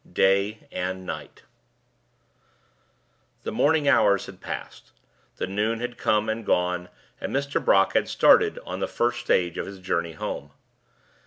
DAY AND NIGHT The morning hours had passed; the noon had come and gone; and Mr. Brock had started on the first stage of his journey home.